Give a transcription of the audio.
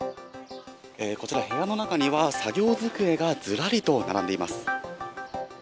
こちら、部屋の中には作業机がずらりと並んでいます。